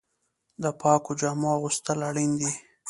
د پاکو جامو اغوستل اړین دي.